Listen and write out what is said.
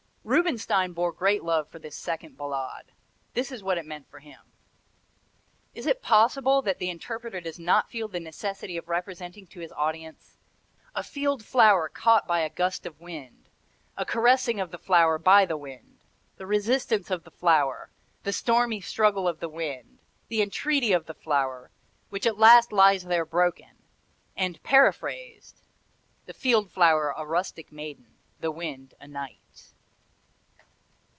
Rubinstein bore great love for this second Ballade. This is what it meant for him: "Is it possible that the interpreter does not feel the necessity of representing to his audience a field flower caught by a gust of wind, a caressing of the flower by the wind; the resistance of the flower, the stormy struggle of the wind; the entreaty of the flower, which at last lies there broken; and paraphrased the field flower a rustic maiden, the wind a knight."